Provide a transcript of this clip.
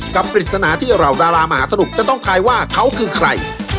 ปริศนาที่เหล่าดารามหาสนุกจะต้องทายว่าเขาคือใคร